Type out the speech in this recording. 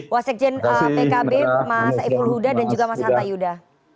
wasek jen pkb mas eppul huda dan juga mas hanta yuda